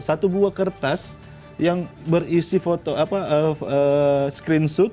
satu buah kertas yang berisi foto apa screenshot